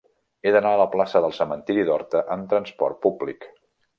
He d'anar a la plaça del Cementiri d'Horta amb trasport públic.